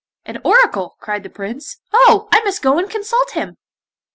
'An Oracle,' cried the Prince. 'Oh! I must go and consult him.